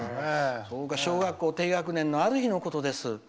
その子が小学校低学年のある日のことです。